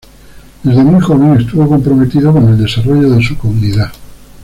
Desde muy joven estuvo comprometido con el desarrollo de su comunidad.